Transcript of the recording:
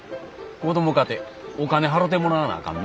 子供かてお金払てもらわなあかんな。